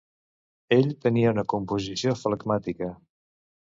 Ell tenia una composició flegmàtica.